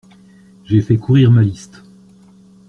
J'ai fait courir ma liste.